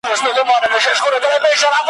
څوک چي له علم سره دښمن دی `